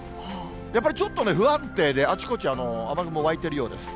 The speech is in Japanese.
やっぱりちょっとね、不安定で、あちこち雨雲湧いてるようです。